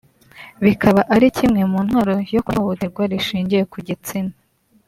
bikaba ari kimwe mu ntwaro yo kurwanya ihohoterwa rishingiye ku gitsina